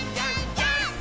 ジャンプ！！